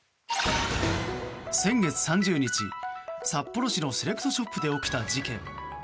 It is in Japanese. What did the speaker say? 先月３０日、札幌市のセレクトショップで起きた事件。